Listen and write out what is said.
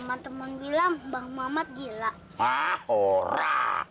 bener gak sih bang mamat dira